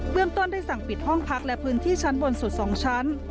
เมืองต้นได้สั่งปิดห้องพักและพื้นที่ชั้นบนสุด๒ชั้น